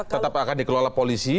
tetap akan dikelola polisi